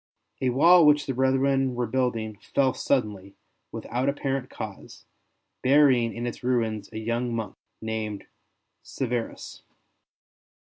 A wall which the brethren were building fell suddenly, without apparent cause, burying in its ruins a young monk named Severus.